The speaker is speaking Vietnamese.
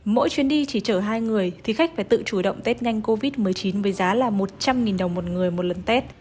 mỗi chuyến đi chỉ chở hai người thì khách phải tự chủ động tết nhanh covid một mươi chín với giá là một trăm linh đồng một người một lần tết